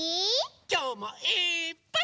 きょうもいっぱい。